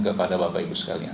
kepada bapak ibu sekalian